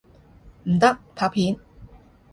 唔得，拍片！